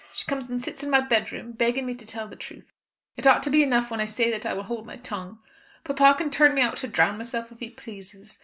She comes and sits in my bedroom, begging me to tell the truth. It ought to be enough when I say that I will hold my tongue. Papa can turn me out to drown myself if he pleases.